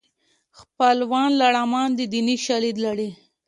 خپلوان لړمان دي دیني شالید لري